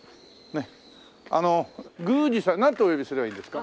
あの宮司さんなんてお呼びすればいいですか？